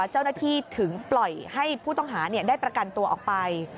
เจ้าหน้าที่ถึงปล่อยให้ผู้ต้องหาได้ประกันตัวออกไป